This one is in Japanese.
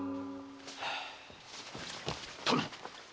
殿！